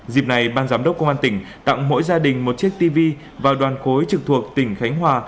dịp này ban giám đốc công an tỉnh tặng mỗi gia đình một chiếc tv vào đoàn khối trực thuộc tỉnh khánh hòa